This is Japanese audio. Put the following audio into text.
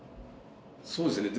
そうですね。